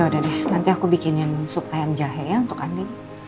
yaudah deh nanti aku bikinin sup ayam jahe ya untuk andi